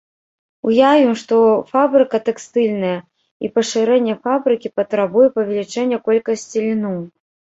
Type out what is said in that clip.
Уявім, што фабрыка тэкстыльная, і пашырэнне фабрыкі патрабуе павелічэння колькасці льну.